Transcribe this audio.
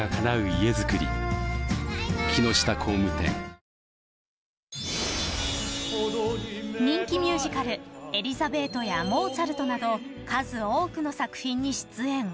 サントリー人気ミュージカル「エリザベート」や「モーツァルト！」など数多くの作品に出演